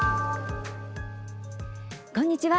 こんにちは。